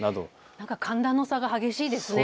寒暖の差が激しいですね。